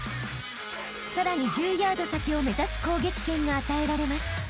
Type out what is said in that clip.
［さらに１０ヤード先を目指す攻撃権が与えられます］